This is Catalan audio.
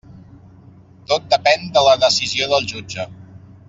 Tot depèn de la decisió del jutge.